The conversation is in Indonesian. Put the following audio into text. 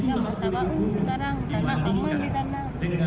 oh sekarang sangat ramah di sana